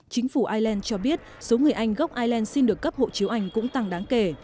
chính phủ ireland cho biết số người anh gốc ireland xin được cấp hộ chiếu anh cũng tăng đáng kể